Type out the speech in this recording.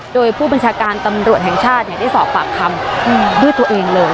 โดยผู้บัญชาการตำรวจแห่งชาติได้สอบปากคำด้วยตัวเองเลย